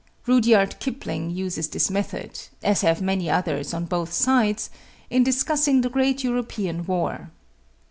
Rudyard Kipling uses this method as have many others on both sides in discussing the great European war.